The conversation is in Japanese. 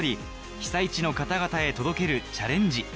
被災地の方々へ届けるチャレンジ